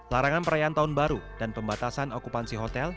larangan perayaan tahun baru dan pembatasan okupansi hotel